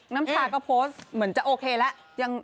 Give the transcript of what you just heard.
น้ำชาก็โพสต์เหมือนจะโอเคแล้ว